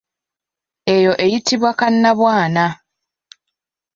Eyo eyitibwa kannabwana.